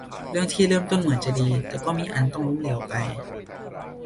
เรื่องที่เริ่มต้นเหมือนจะดีแต่ก็มีอันต้องล้มเหลวไป